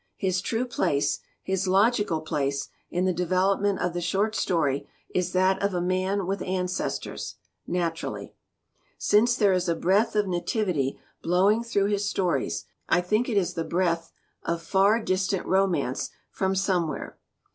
His true place, his logical place, in the development of the short story is that of a man with ancestors naturally ! "Since there is a breath of nativity blowing through his stories, I think it is the breath of far distant romance from somewhere.